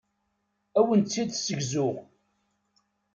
Ad awent-tt-id-ssegzuɣ.